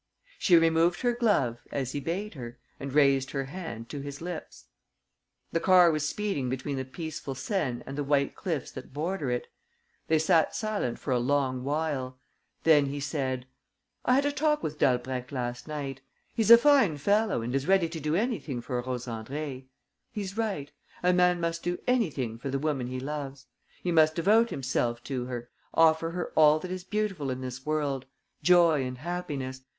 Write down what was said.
She removed her glove, as he bade her, and raised her hand to his lips. The car was speeding between the peaceful Seine and the white cliffs that border it. They sat silent for a long while. Then he said: "I had a talk with Dalbrèque last night. He's a fine fellow and is ready to do anything for Rose Andrée. He's right. A man must do anything for the woman he loves. He must devote himself to her, offer her all that is beautiful in this world: joy and happiness